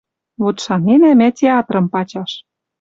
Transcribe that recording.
Вот шаненӓ мӓ театрым пачаш